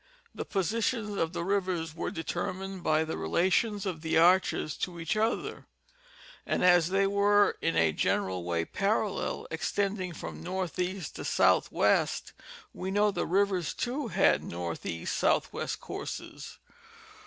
The positions of rivers were determined by the relations of the arches to each other and, as they were in a general way parallel, extending from northeast to southwest, we know that the rivers too had northeast southwest courses.